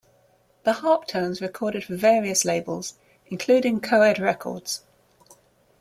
The Harptones recorded for various labels, including Coed Records.